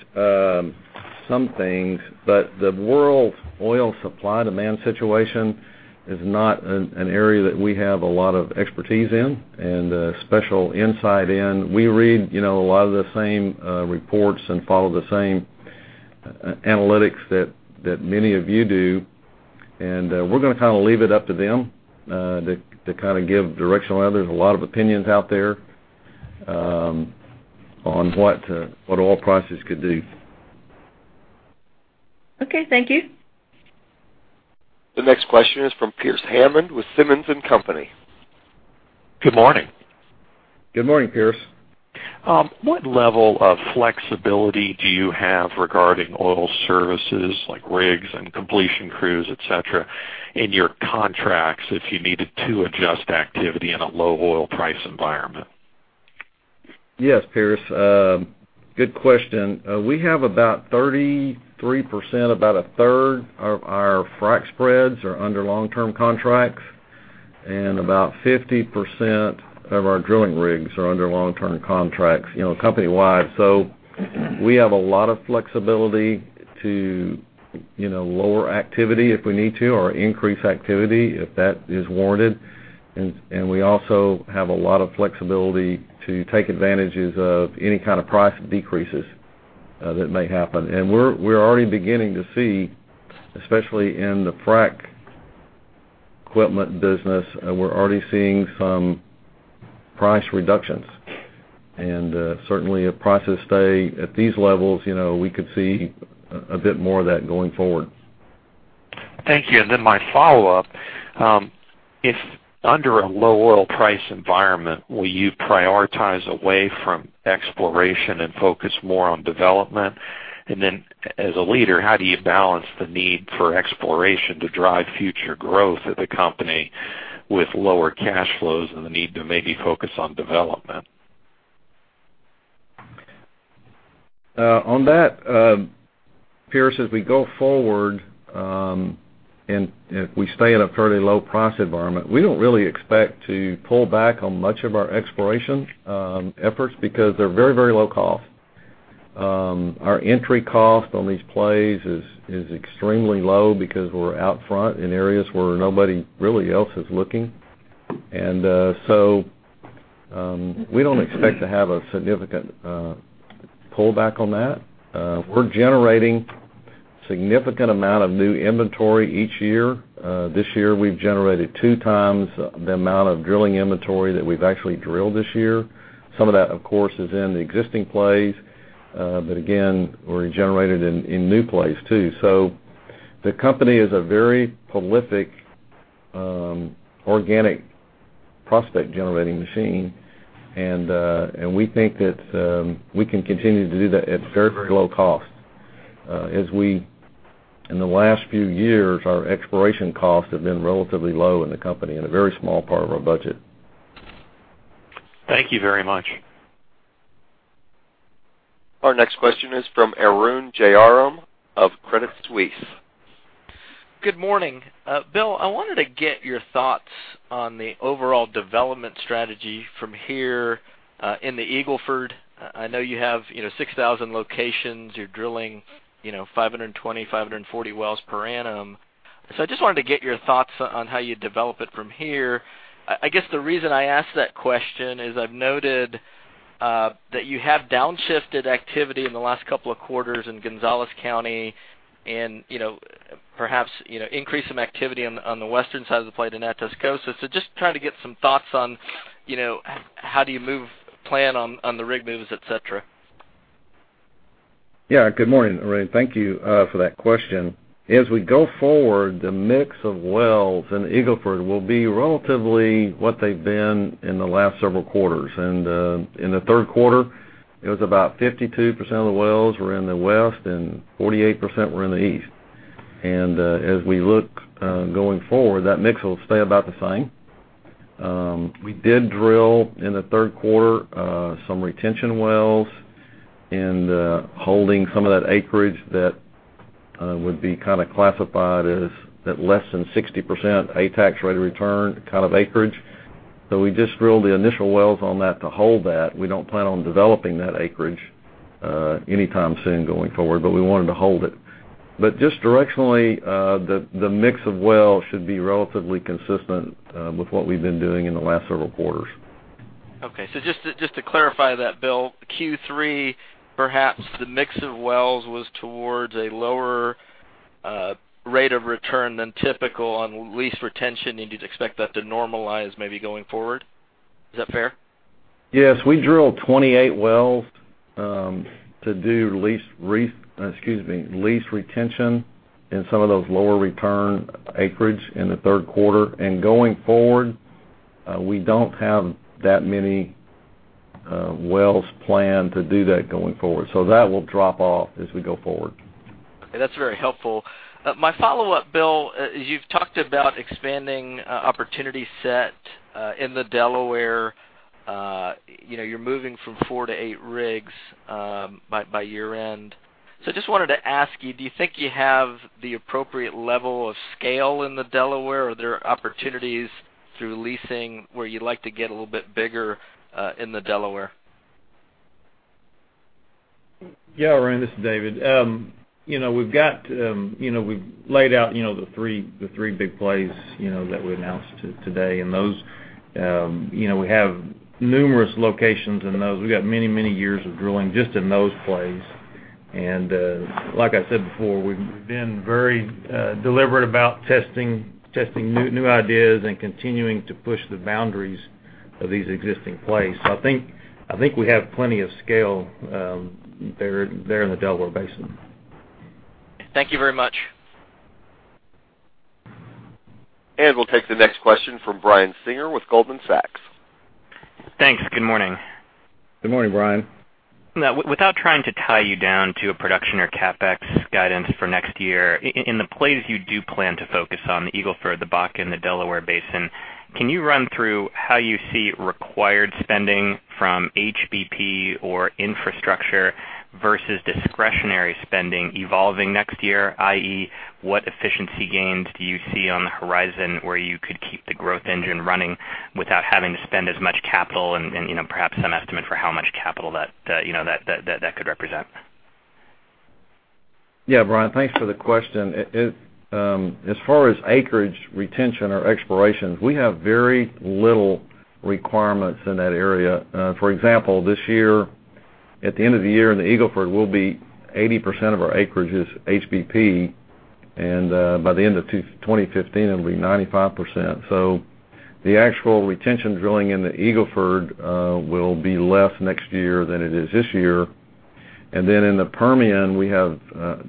some things, but the world oil supply/demand situation is not an area that we have a lot of expertise in and a special insight in. We read a lot of the same reports and follow the same analytics that many of you do, and we're going to leave it up to them to give directional. There's a lot of opinions out there on what oil prices could do. Okay. Thank you. The next question is from Pearce Hammond with Simmons & Company. Good morning. Good morning, Pearce. What level of flexibility do you have regarding oil services like rigs and completion crews, et cetera, in your contracts if you needed to adjust activity in a low oil price environment? Yes, Pearce. Good question. We have about 33%, about a third of our frac spreads are under long-term contracts, and about 50% of our drilling rigs are under long-term contracts company-wide. We have a lot of flexibility to lower activity if we need to, or increase activity if that is warranted. We also have a lot of flexibility to take advantages of any kind of price decreases that may happen. We're already beginning to see, especially in the frac equipment business, we're already seeing some price reductions. Certainly, if prices stay at these levels, we could see a bit more of that going forward. Thank you. My follow-up, if under a low oil price environment, will you prioritize away from exploration and focus more on development? As a leader, how do you balance the need for exploration to drive future growth of the company with lower cash flows and the need to maybe focus on development? On that, Pearce, as we go forward, if we stay at a fairly low price environment, we don't really expect to pull back on much of our exploration efforts because they're very low cost. Our entry cost on these plays is extremely low because we're out front in areas where nobody really else is looking. We don't expect to have a significant pullback on that. We're generating significant amount of new inventory each year. This year, we've generated two times the amount of drilling inventory that we've actually drilled this year. Some of that, of course, is in the existing plays. Again, we generated in new plays too. The company is a very prolific, organic prospect-generating machine. We think that we can continue to do that at very low cost. In the last few years, our exploration costs have been relatively low in the company and a very small part of our budget. Thank you very much. Our next question is from Arun Jayaram of Credit Suisse. Good morning. Bill, I wanted to get your thoughts on the overall development strategy from here in the Eagle Ford. I know you have 6,000 locations. You're drilling 520, 540 wells per annum. I just wanted to get your thoughts on how you develop it from here. I guess the reason I ask that question is I've noted that you have downshifted activity in the last couple of quarters in Gonzales County and perhaps increased some activity on the western side of the play to Natchez Coast. Just trying to get some thoughts on how do you plan on the rig moves, et cetera? Yeah. Good morning, Arun. Thank you for that question. As we go forward, the mix of wells in Eagle Ford will be relatively what they've been in the last several quarters. In the third quarter, it was about 52% of the wells were in the west and 48% were in the east. As we look going forward, that mix will stay about the same. We did drill in the third quarter some retention wells and holding some of that acreage that would be classified as that less than 60% after-tax rate of return kind of acreage. We just drilled the initial wells on that to hold that. We don't plan on developing that acreage anytime soon going forward, but we wanted to hold it. Just directionally, the mix of wells should be relatively consistent with what we've been doing in the last several quarters. Okay. Just to clarify that, Bill, Q3, perhaps the mix of wells was towards a lower rate of return than typical on lease retention. You'd expect that to normalize maybe going forward? Is that fair? Yes. We drilled 28 wells to do lease retention in some of those lower return acreage in the third quarter. Going forward, we don't have that many wells planned to do that going forward. That will drop off as we go forward. Okay. That's very helpful. My follow-up, Bill, you've talked about expanding opportunity set in the Delaware. You're moving from four to eight rigs by year-end. Just wanted to ask you, do you think you have the appropriate level of scale in the Delaware? Are there opportunities through leasing where you'd like to get a little bit bigger in the Delaware? Arun, this is David. We've laid out the three big plays that we announced today. We have numerous locations in those. We've got many years of drilling just in those plays. Like I said before, we've been very deliberate about testing new ideas and continuing to push the boundaries of these existing plays. I think we have plenty of scale there in the Delaware Basin. Thank you very much. We'll take the next question from Brian Singer with Goldman Sachs. Thanks. Good morning. Good morning, Brian. Without trying to tie you down to a production or CapEx guidance for next year, in the plays you do plan to focus on, the Eagle Ford, the Bakken, the Delaware Basin, can you run through how you see required spending from HBP or infrastructure versus discretionary spending evolving next year? I.e., what efficiency gains do you see on the horizon where you could keep the growth engine running without having to spend as much capital? Perhaps some estimate for how much capital that could represent. Yeah, Brian, thanks for the question. As far as acreage retention or explorations, we have very little requirements in that area. For example, this year, at the end of the year, in the Eagle Ford will be 80% of our acreages HBP, and by the end of 2015, it'll be 95%. The actual retention drilling in the Eagle Ford will be less next year than it is this year. In the Permian, we have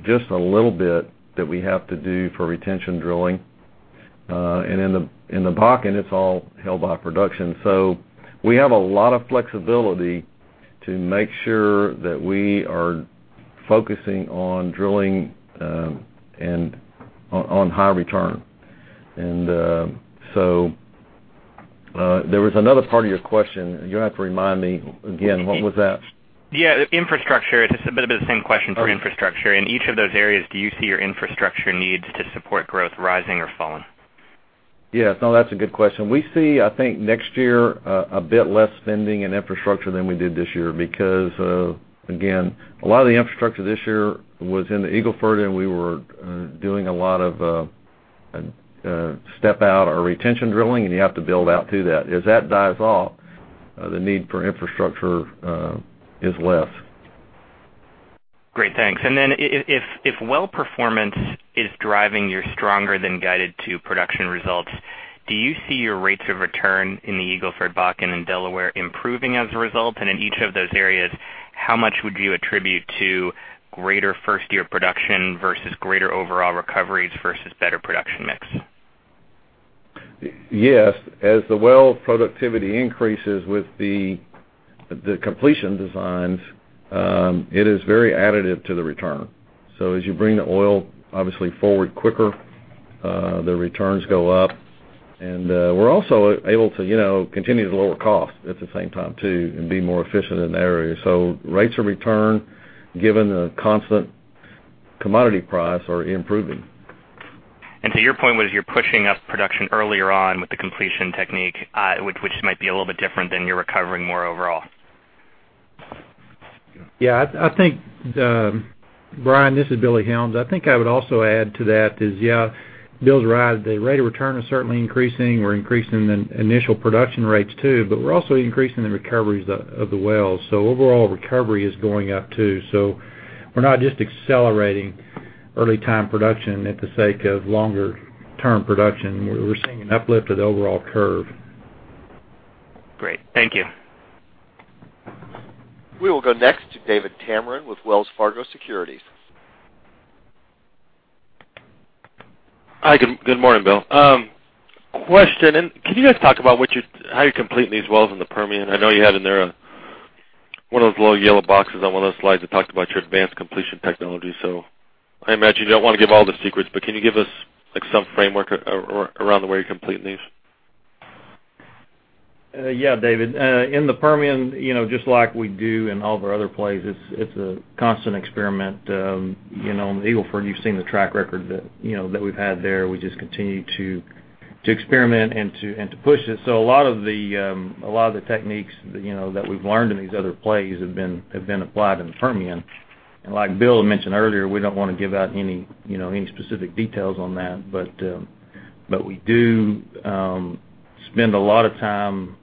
just a little bit that we have to do for retention drilling. In the Bakken, it's all held by production. We have a lot of flexibility to make sure that we are focusing on drilling and on high return. There was another part of your question. You're going to have to remind me again. What was that? Yeah, infrastructure. It's a bit of the same question for infrastructure. Okay. In each of those areas, do you see your infrastructure needs to support growth rising or falling? Yes. No, that's a good question. We see, I think, next year, a bit less spending in infrastructure than we did this year because, again, a lot of the infrastructure this year was in the Eagle Ford, and we were doing a lot of step out or retention drilling, and you have to build out through that. As that dies off, the need for infrastructure is less. Great, thanks. Then if well performance is driving your stronger than guided to production results, do you see your rates of return in the Eagle Ford, Bakken, and Delaware improving as a result? In each of those areas, how much would you attribute to greater first-year production versus greater overall recoveries versus better production mix? Yes. As the well productivity increases with the completion designs, it is very additive to the return. As you bring the oil obviously forward quicker, the returns go up. We're also able to continue to lower cost at the same time too, and be more efficient in that area. Rates of return, given the constant commodity price, are improving. Your point was you're pushing up production earlier on with the completion technique, which might be a little bit different than you're recovering more overall. Yeah. Brian, this is Billy Helms. I think I would also add to that is, yeah, Bill's right. The rate of return is certainly increasing. We're increasing the initial production rates too, but we're also increasing the recoveries of the wells. Overall recovery is going up too. We're not just accelerating early time production at the sake of longer term production. We're seeing an uplifted overall curve. Great. Thank you. We will go next to David Tameron with Wells Fargo Securities. Hi. Good morning, Bill. Question, can you guys talk about how you're completing these wells in the Permian? I know you had in there one of those little yellow boxes on one of those slides that talked about your advanced completion technology. I imagine you don't want to give all the secrets, but can you give us some framework around the way you're completing these? Yeah, David. In the Permian, just like we do in all of our other plays, it's a constant experiment. In the Eagle Ford, you've seen the track record that we've had there. We just continue to experiment and to push it. A lot of the techniques that we've learned in these other plays have been applied in the Permian. Like Bill had mentioned earlier, we don't want to give out any specific details on that, but we do spend a lot of time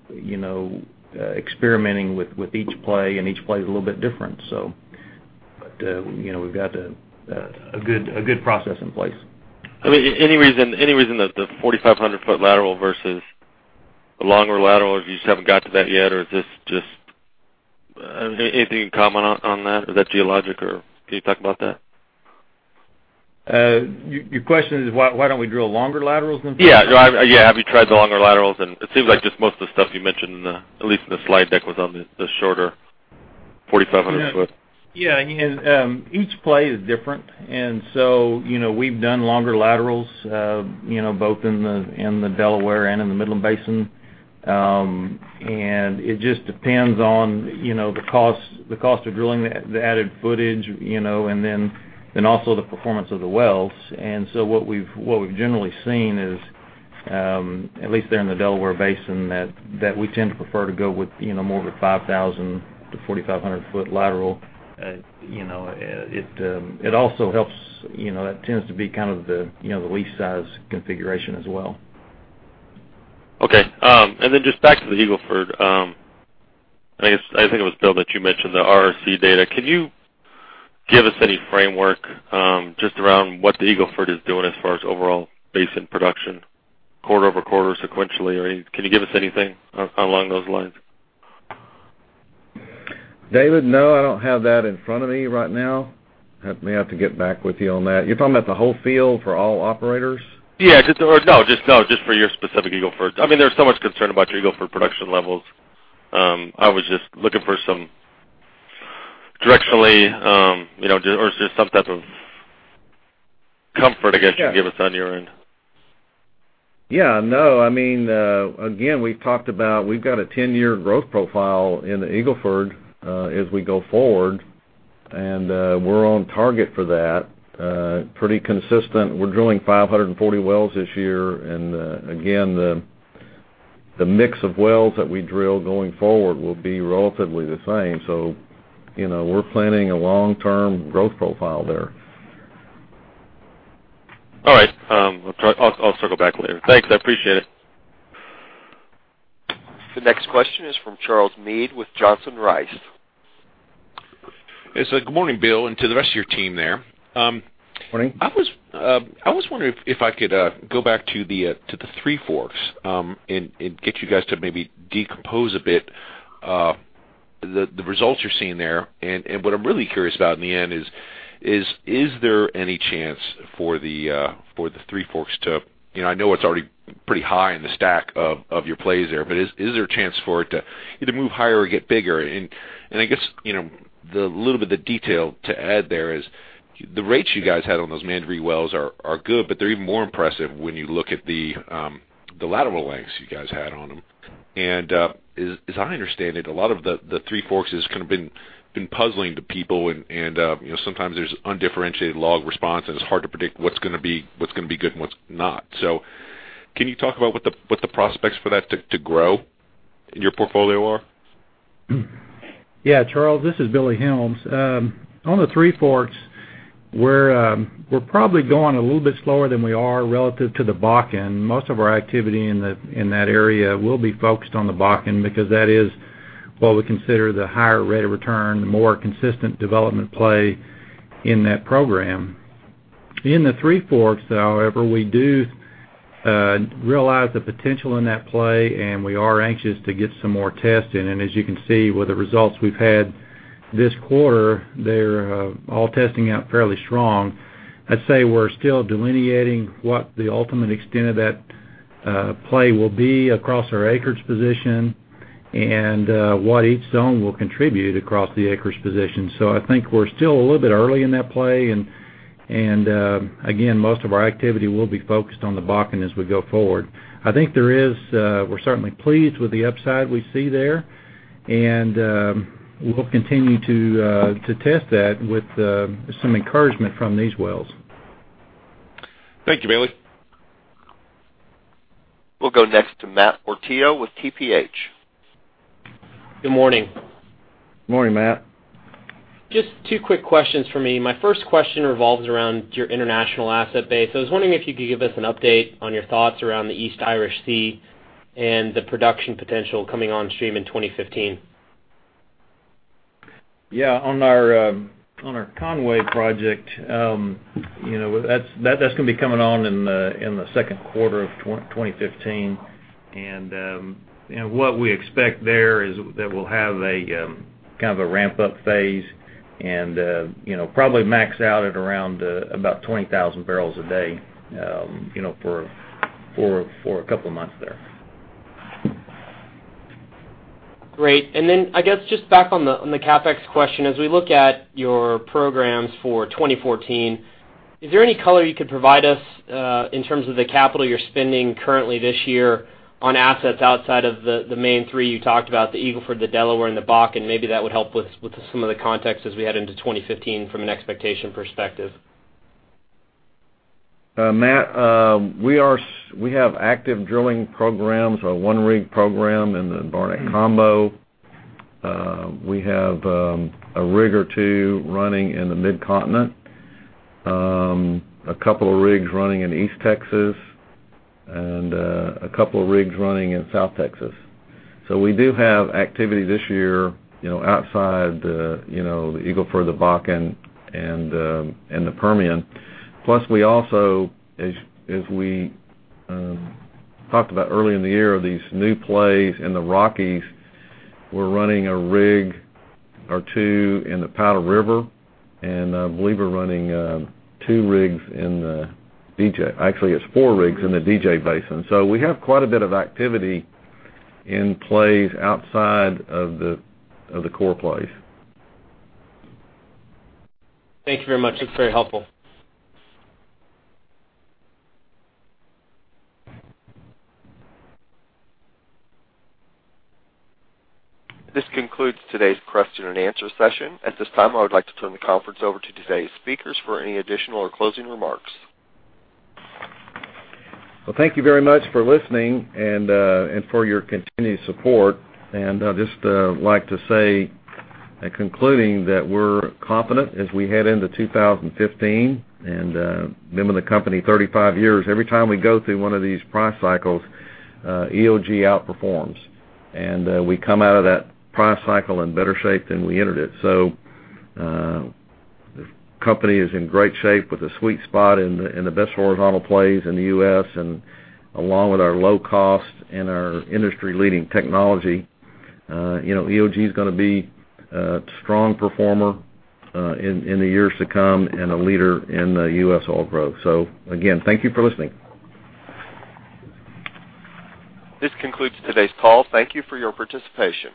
experimenting with each play, and each play is a little bit different. We've got a good process in place. Any reason that the 4,500-foot lateral versus the longer lateral, haven't got to that yet, or is this just anything you can comment on that? Is that geologic, or can you talk about that? Your question is why don't we drill longer laterals than 4,500? Yeah. Have you tried the longer laterals? It seems like just most of the stuff you mentioned, at least in the slide deck, was on the shorter 4,500 foot. Yeah. Each play is different, we've done longer laterals, both in the Delaware and in the Midland Basin. It just depends on the cost of drilling, the added footage, also the performance of the wells. What we've generally seen is, at least there in the Delaware Basin, that we tend to prefer to go with more of a 5,000-4,500 foot lateral. It also helps, that tends to be the lease size configuration as well. Okay. Just back to the Eagle Ford. I think it was Bill that you mentioned the RRC data. Can you give us any framework, just around what the Eagle Ford is doing as far as overall basin production quarter-over-quarter sequentially? Can you give us anything along those lines? David, no, I don't have that in front of me right now. I may have to get back with you on that. You're talking about the whole field for all operators? Yeah. No, just for your specific Eagle Ford. There's so much concern about your Eagle Ford production levels. I was just looking for some directionally, or just some type of comfort, I guess, you can give us on your end. Yeah. No. Again, we've talked about, we've got a 10-year growth profile in the Eagle Ford as we go forward, and we're on target for that. Pretty consistent. We're drilling 540 wells this year, and again, the mix of wells that we drill going forward will be relatively the same. We're planning a long-term growth profile there. All right. I'll circle back later. Thanks. I appreciate it. The next question is from Charles Meade with Johnson Rice. Yes. Good morning, Bill, and to the rest of your team there. Morning. I was wondering if I could go back to the Three Forks, and get you guys to maybe decompose a bit, the results you're seeing there. What I'm really curious about in the end is there any chance for the Three Forks to I know it's already pretty high in the stack of your plays there. Is there a chance for it to either move higher or get bigger? I guess, the little bit of detail to add there is, the rates you guys had on those Mandaree wells are good, but they're even more impressive when you look at the lateral lengths you guys had on them. As I understand it, a lot of the Three Forks has been puzzling to people, and sometimes there's undifferentiated log response, and it's hard to predict what's going to be good and what's not. Can you talk about what the prospects for that to grow in your portfolio are? Yeah. Charles, this is Billy Helms. On the Three Forks, we're probably going a little bit slower than we are relative to the Bakken. Most of our activity in that area will be focused on the Bakken because that is what we consider the higher rate of return, the more consistent development play in that program. In the Three Forks, however, we do realize the potential in that play, and we are anxious to get some more testing. As you can see with the results we've had this quarter, they're all testing out fairly strong. I'd say we're still delineating what the ultimate extent of that play will be across our acreage position and what each zone will contribute across the acreage position. I think we're still a little bit early in that play, and again, most of our activity will be focused on the Bakken as we go forward. I think we're certainly pleased with the upside we see there, and we'll continue to test that with some encouragement from these wells. Thank you, Billy. We'll go next to Matt Portillo with TPH. Good morning. Morning, Matt. Just two quick questions from me. My first question revolves around your international asset base. I was wondering if you could give us an update on your thoughts around the East Irish Sea and the production potential coming on stream in 2015. Yeah. On our Conwy project, that's going to be coming on in the second quarter of 2015. What we expect there is that we'll have a kind of a ramp-up phase and probably max out at around about 20,000 barrels a day for a couple of months there. Great. Then, I guess, just back on the CapEx question, as we look at your programs for 2014, is there any color you could provide us in terms of the capital you're spending currently this year on assets outside of the main three you talked about, the Eagle Ford, the Delaware, and the Bakken? Maybe that would help with some of the context as we head into 2015 from an expectation perspective. Matt, we have active drilling programs, our one-rig program in the Barnett Combo. We have a rig or two running in the Midcontinent, a couple of rigs running in East Texas, and a couple of rigs running in South Texas. We do have activity this year outside the Eagle Ford, the Bakken, and the Permian. We also, as we talked about early in the year, these new plays in the Rockies, we're running a rig or two in the Powder River, and I believe we're running two rigs in the DJ. It's four rigs in the DJ Basin. We have quite a bit of activity in plays outside of the core plays. Thank you very much. That's very helpful. This concludes today's question and answer session. At this time, I would like to turn the conference over to today's speakers for any additional or closing remarks. Thank you very much for listening and for your continued support. I'd just like to say, concluding, that we're confident as we head into 2015. Being with the company 35 years, every time we go through one of these price cycles, EOG outperforms. We come out of that price cycle in better shape than we entered it. The company is in great shape with a sweet spot in the best horizontal plays in the U.S., and along with our low cost and our industry-leading technology, EOG's going to be a strong performer in the years to come and a leader in the U.S. oil growth. Again, thank you for listening. This concludes today's call. Thank you for your participation.